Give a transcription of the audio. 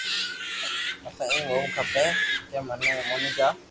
پسي ايم ھووُ کپي ڪي موني جا